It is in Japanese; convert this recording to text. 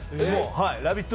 「ラヴィット！」